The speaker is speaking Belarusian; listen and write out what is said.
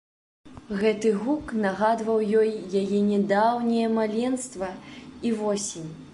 Гэты гук нагадваў ёй яе нядаўняе маленства і восень.